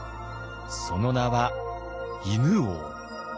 その名は犬王。